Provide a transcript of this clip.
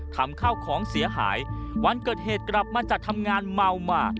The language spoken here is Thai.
ทำข้าวของเสียหายวันเกิดเหตุกลับมาจากทำงานเมามา